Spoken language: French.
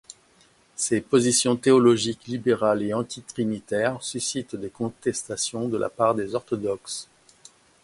Ses positions théologiques libérales et antitrinitaires suscitent des contestations de la part des orthodoxes.